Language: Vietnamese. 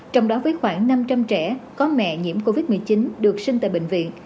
trong đó với khoảng năm trăm linh trẻ có mẹ nhiễm covid một mươi chín được sinh tại bệnh viện